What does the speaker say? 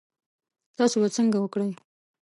تاسو به څنګه وکړی؟